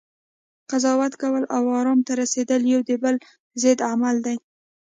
قضاوت کول، او ارام ته رسیدل یو د بل ضد عمل دی